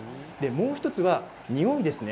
もう１つは、においですね。